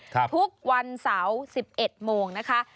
ทุกวันเสาร์๑๑โมงนะคะ